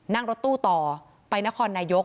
นั่งรถตู้ต่อไปนครนายก